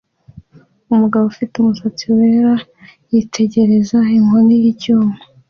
Umugabo ufite umusatsi wera yitegereza inkoni y'icyuma